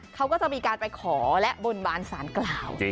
เขาก็จะมีการไปขอและบนบานสารกล่าว